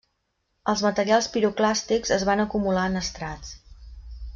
Els materials piroclàstics es van acumular en estrats.